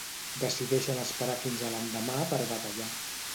Decideixen esperar fins a l'endemà per batallar.